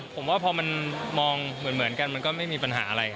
ผมว่าพอมันมองเหมือนกันมันก็ไม่มีปัญหาอะไร